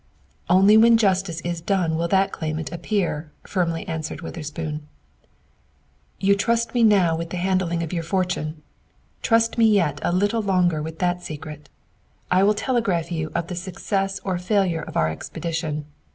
"Only when justice is done will that claimant appear," firmly answered Witherspoon. "You trust me now with the handling of your fortune! Trust me yet a little longer with that secret. I will telegraph you of the success or failure of our expedition.